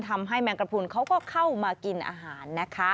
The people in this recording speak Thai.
แมงกระพุนเขาก็เข้ามากินอาหารนะคะ